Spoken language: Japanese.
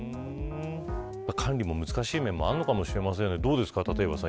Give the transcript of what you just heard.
管理も難しい面もあるのかもしれませんがどうですか、立岩さん